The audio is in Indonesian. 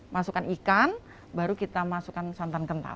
masukkan ikan baru kita masukkan santan kentang